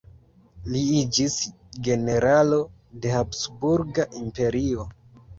Li iĝis generalo de Habsburga Imperio.